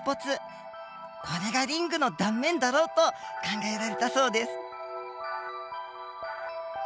これがリングの断面だろうと考えられたそうです。